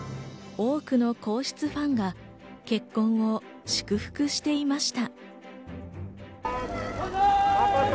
多くの皇室ファンが結婚を祝福していました。